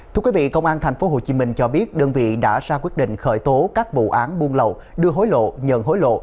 thưa quý vị công an tp hcm cho biết đơn vị đã ra quyết định khởi tố các vụ án buôn lậu đưa hối lộ nhận hối lộ